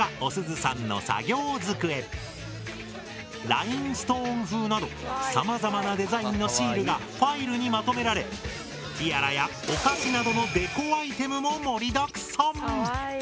ラインストーン風などさまざまなデザインのシールがファイルにまとめられティアラやお菓子などのデコアイテムも盛りだくさん！